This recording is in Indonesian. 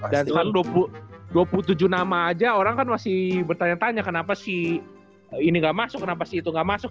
dan sekarang dua puluh tujuh nama aja orang kan masih bertanya tanya kenapa sih ini gak masuk kenapa sih itu gak masuk